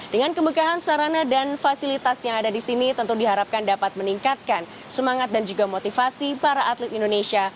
dengan kemekahan sarana dan fasilitas yang ada di sini tentu diharapkan dapat meningkatkan semangat dan juga motivasi para atlet indonesia